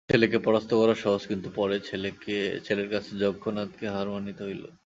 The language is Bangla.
নিজের ছেলেকে পরাস্ত করা সহজ, কিন্তু পরের ছেলের কাছে যজ্ঞনাথকে হার মানিতে হইল।